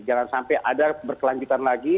jangan sampai ada berkelanjutan lagi